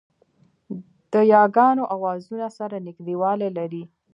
د یاګانو آوازونه سره نږدېوالی لري